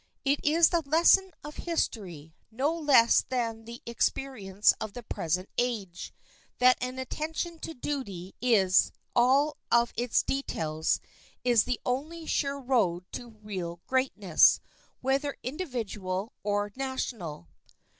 It is the lesson of history, no less than the experience of the present age, that an attention to duty in all of its details is the only sure road to real greatness, whether individual or national.